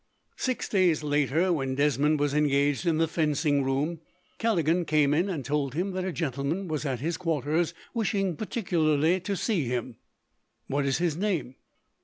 Six days later, when Desmond was engaged in the fencing room, Callaghan came in, and told him that a gentleman was at his quarters, wishing particularly to see him. "What is his name?"